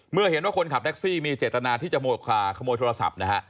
เมื่อเห็นว่าคนขับแท็กซี่มีเจตนาที่จะขโมยโทรศัพท์นะฮะ